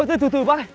ơ từ từ từ từ bác ạ